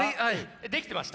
できてました。